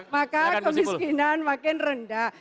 maka kemiskinan makin rendah